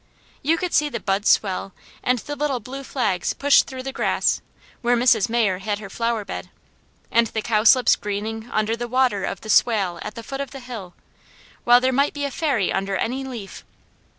You could see the buds swell, and the little blue flags push through the grass, where Mrs. Mayer had her flowerbed, and the cowslips greening under the water of the swale at the foot of the hill, while there might be a Fairy under any leaf.